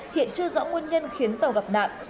hiện chưa rõ nguyên nhân khiến tàu gặp nạn